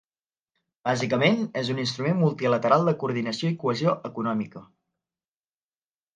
Bàsicament, és un instrument multilateral de coordinació i cohesió econòmica.